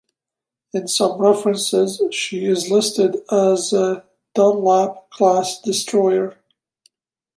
In some references she is listed as a "Dunlap"-class destroyer.